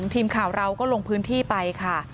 ทีมข่าวเราก็ลงพื้นที่ไปค่ะ